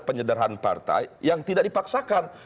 penyederhanaan partai yang tidak dipaksakan